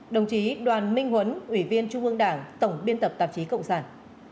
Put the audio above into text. đồng chí đoàn minh huấn ủy viên trung ương đảng tổng biên tập tạp chí cộng sản